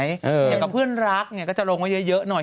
อย่างกับเพื่อนรักเนี่ยก็จะลงไว้เยอะหน่อย